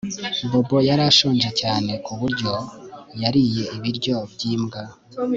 Bobo yari ashonje cyane ku buryo yariye ibiryo byimbwa